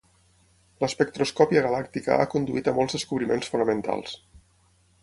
L'espectroscòpia galàctica ha conduït a molts descobriments fonamentals.